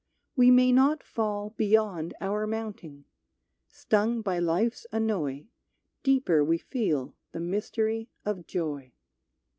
We may not fall Beyond our mounting; stung by life's annoy, Deeper we feel the mystery of Joy.